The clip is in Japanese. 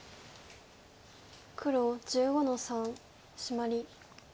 黒１５の三シマリ。